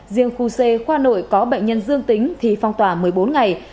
riêng khu c khoa nội có bệnh nhân dương tính thì phong tỏa một mươi bốn ngày